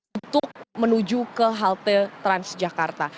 untuk menuju ke halte transjakarta